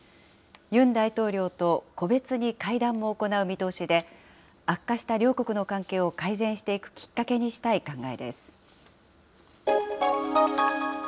ユン大統領と個別に会談も行う見通しで、悪化した両国の関係を改善していくきっかけにしたい考えです。